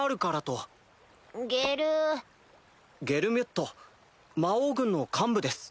ゲルミュッド魔王軍の幹部です。